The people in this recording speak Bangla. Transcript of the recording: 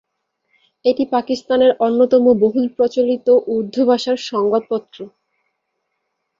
এটি পাকিস্তানের অন্যতম বহুল প্রচারিত উর্দু ভাষার সংবাদপত্র।